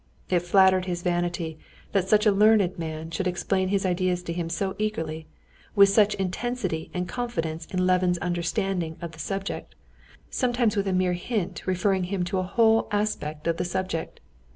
It flattered his vanity that such a learned man should explain his ideas to him so eagerly, with such intensity and confidence in Levin's understanding of the subject, sometimes with a mere hint referring him to a whole aspect of the subject.